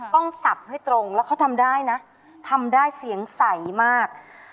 ต้องศัพท์ให้ตรงแล้วเขาทำได้ทำได้เสียงไสมาก